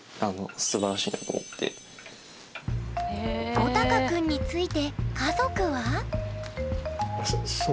ほたかくんについて家族は？